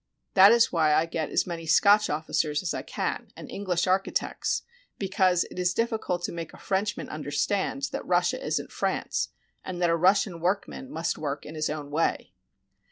That is why I get as many Scotch officers as I can, and English architects, because it is difficult to make a Frenchman understand that Russia is n't France, and that a Russian workman must work in his own way."